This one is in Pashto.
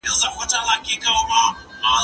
زه به سبا بوټونه پاکوم!.